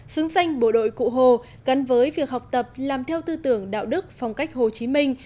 xứng danh bộ đội cụ hồ gắn với việc học tập làm theo tư tưởng đạo đức phong cách hồ chí minh